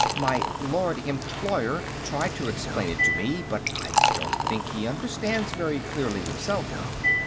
"My Lord Employer tried to explain it to me, but I don't think he understands very clearly, himself."